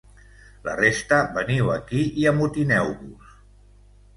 La resta veniu aquí i amotineu-vos!